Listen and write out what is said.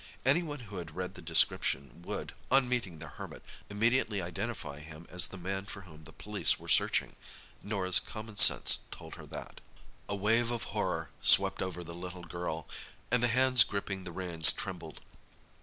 Anyone who had read the description would, on meeting the Hermit, immediately identify him as the man for whom the police were searching. Norah's common sense told her that. A wave of horror swept over the little girl, and the hands gripping the reins trembled.